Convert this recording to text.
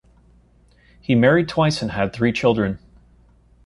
He married twice and had three children.